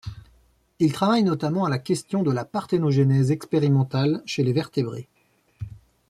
Il travaille notamment à la question de la parthénogénèse expérimentale chez les vertébrés.